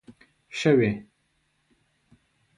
شوې